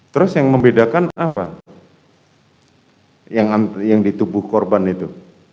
terus yang membedakan apa yang di tubuh korban itu